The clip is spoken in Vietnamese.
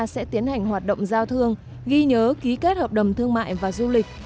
sẽ tiến hành hoạt động giao thương ghi nhớ ký kết hợp đồng thương mại và du lịch